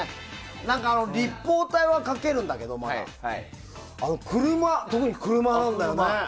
立方体は描けるんだけど特に車なんだよね